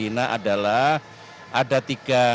harapan saya sebagai orang tua kepada mas kaisang dan mbak erina